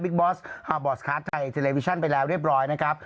บอสฮาร์บอสคาร์ดไทยเทเลวิชั่นไปแล้วเรียบร้อยนะครับ